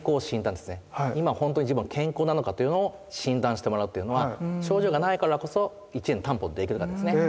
今ほんとに自分は健康なのかというのを診断してもらうっていうのは症状がないからこそ１年の担保できるかですね。